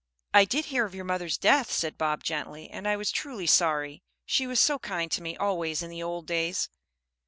"I did hear of your mother's death," said Bob, gently, "and I was truly sorry. She was so kind to me always in the old days."